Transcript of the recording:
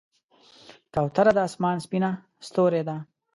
کوتره د آسمان سپینه ستورۍ ده.